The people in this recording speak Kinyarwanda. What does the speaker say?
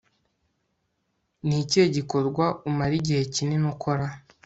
ni ikihe gikorwa umara igihe kinini ukora